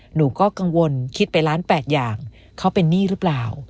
หนูก็กังวลคิดไปล้านแปดอย่างเขาเป็นหนี้หรือเปล่า